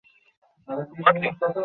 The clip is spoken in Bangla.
এগুলির প্রবেশ নিবারণ করা যায় না।